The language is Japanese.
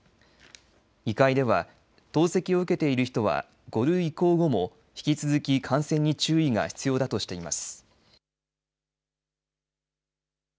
医会では、透析を受けている人は５類移行後も引き続き感染に注意が必要だとしています。